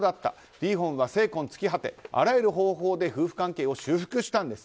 リーホンは精根尽き果てあらゆる方法で夫婦関係を修復したんです。